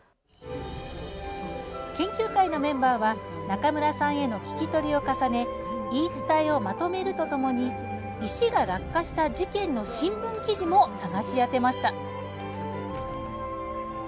研究会のメンバーは中村さんへの聞き取りを重ね言い伝えをまとめるとともに石が落下した事件の新聞記事も探し当てました。